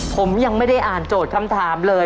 ผมยังไม่ได้อ่านโจทย์คำถามเลย